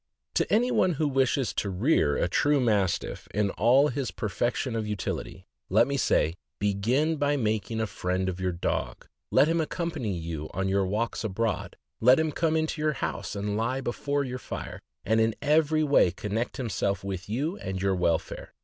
585 To anyone who wishes to rear a true Mastiff, in all his perfection of utility, let me say: Begin by making a friend of your dog; let him accompany you on your walks abroad; let him come into your house and lie before your fire, and in every way connect himself with you and your welfare.